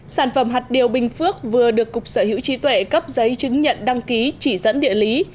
sản phẩm hạt điều bình phước vừa được cục sở hữu trí tuệ cấp giấy chứng nhận đăng ký chỉ dẫn địa lý